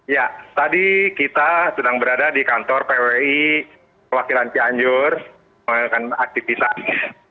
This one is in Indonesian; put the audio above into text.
ya tadi kita sedang berada di kantor pwi wakil ancian anjur mengalami aktivitas